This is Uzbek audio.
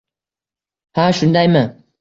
Ha, shundaymi?